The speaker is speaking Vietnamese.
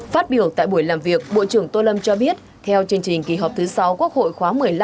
phát biểu tại buổi làm việc bộ trưởng tô lâm cho biết theo chương trình kỳ họp thứ sáu quốc hội khóa một mươi năm